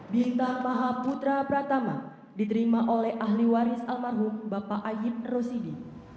bintang maha putra pratama diterima oleh ahli waris almarhum bapak ayib rosidi